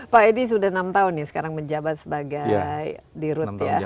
pak edi sudah enam tahun nih sekarang menjabat sebagai di rut ya